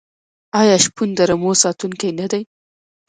آیا شپون د رمو ساتونکی نه دی؟